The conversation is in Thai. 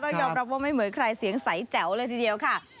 ยอมรับว่าไม่เหมือนใครเสียงใสแจ๋วเลยทีเดียวค่ะ